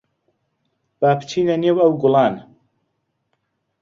با بچینە نێو ئەو گوڵان.